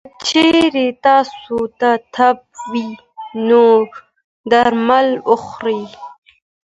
که چېرې تاسو ته تبه وي، نو درمل وخورئ.